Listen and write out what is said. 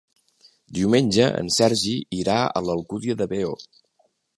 Diumenge en Sergi irà a l'Alcúdia de Veo.